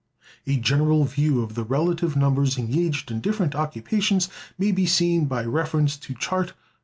A general view of the relative numbers engaged in different occupations may be seen by reference to Chart No.